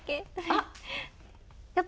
あっ。